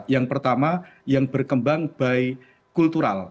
yang pertama yang berkembang by kultural